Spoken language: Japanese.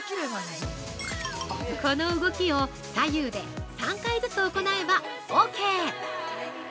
◆この動きを左右で３回ずつ行えばＯＫ。